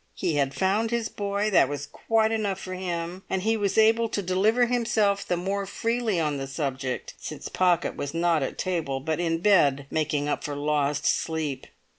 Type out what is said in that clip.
He had found his boy; that was quite enough for him, and he was able to deliver himself the more freely on the subject since Pocket was not at table, but in bed making up for lost sleep.